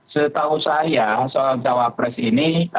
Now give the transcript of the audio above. setahu saya soal cawapres ini